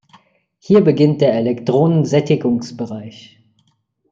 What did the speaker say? Hier beginnt der Elektronen-Sättigungsbereich.